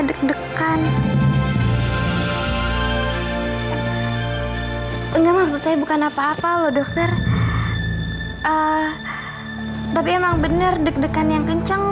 deg degan enggak maksud saya bukan apa apa loh dokter tapi emang bener deg degan yang kencang